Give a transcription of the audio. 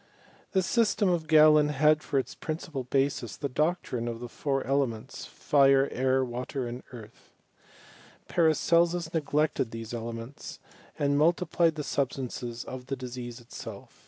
The system of Galen had for its principal basis the doctrine of the four elements, JirCy air, watery and earth, Paracelsus neglected these elements, and multiplied the substances of the disease itself.